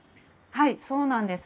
はいそうなんです。